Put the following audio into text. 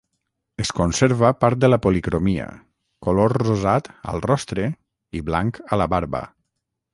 Es conserva part de la policromia, color rosat al rostre i blanc a la barba.